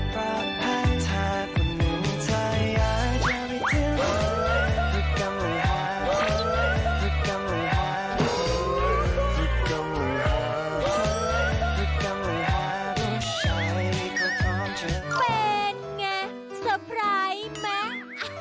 เป็นไงเซอร์ไพรส์ไหม